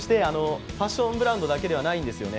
ファッションブランドだけではないんですよね。